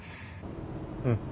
うん。